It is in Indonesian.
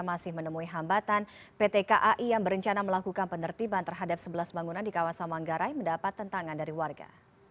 masih menemui hambatan pt kai yang berencana melakukan penertiban terhadap sebelas bangunan di kawasan manggarai mendapat tentangan dari warga